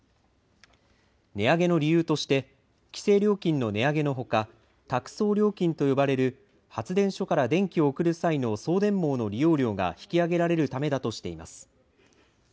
値上げの理由として、規制料金の値上げのほか、託送料金と呼ばれる発電所から電気を送る際の送電網の利用料が引き上げられるためだとしています。